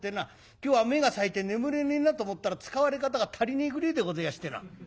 今日は目がさえて眠れねえなと思ったら使われ方が足りねえぐれえでごぜえやしてな」。